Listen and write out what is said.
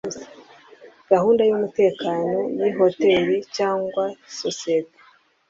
gahunda y umutekano y ihoteri cyangwa sosiyete